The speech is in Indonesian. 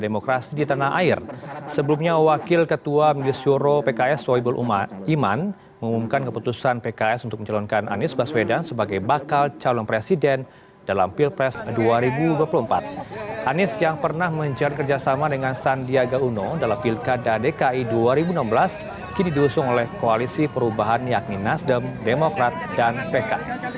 menurut sandi tahun politik justru menang